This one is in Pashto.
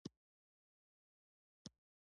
احمد يې د تورو تمبو شا ته واچاوو.